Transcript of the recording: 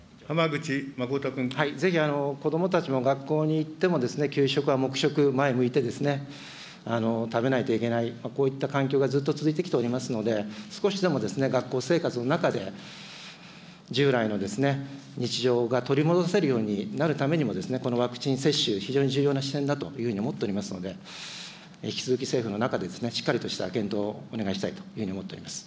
ぜひ子どもたちも、学校に行っても給食は黙食、前を向いてですね、食べないといけない、こういった環境がずっと続いてきておりますので、少しでも学校生活の中で、従来の日常が取り戻せるようになるためにも、このワクチン接種、非常に重要な視点だというふうに思っておりますので、引き続き政府の中でしっかりとした検討をお願いしたいというふうに思っております。